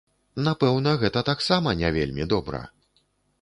Напэўна, гэта таксама не вельмі добра.